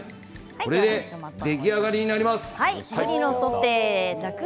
これで出来上がりになります。